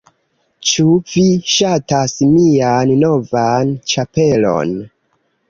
Ĉu vi ŝatas mian novan ĉapelon?